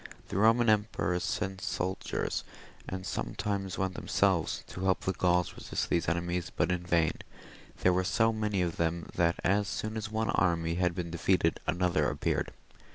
The Eoman emperors sent soldiers, and sometimes went themselves, to help the Gauls to resist these enemies, but in vain ; there were so many of them, that as soon as one army had been defeated, another appeared.